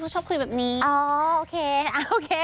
ชิปก็โอเค